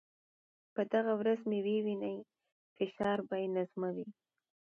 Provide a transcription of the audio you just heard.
په دغه ورځ مې د وینې فشار بې نظمه و.